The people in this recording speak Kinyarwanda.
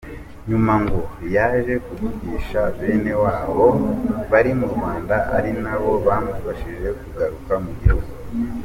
Nyuma ngo yaje kuvugisha benewabo bari mu Rwanda ari nabo bamufashije kugaruka mu gihugu.